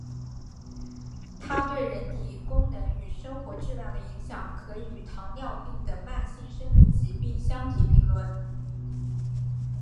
它对人体功能与生活质量的影响可以与糖尿病等慢性生理疾病相提并论。